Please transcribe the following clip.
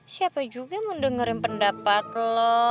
siapa juga mendengarin pendapat lo